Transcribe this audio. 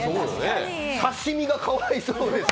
刺身がかわいそうですよ！